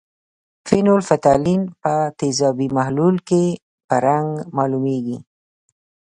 فینول فتالین په تیزابي محلول کې په رنګ معلومیږي.